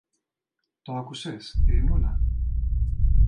Το άκουσες, Ειρηνούλα;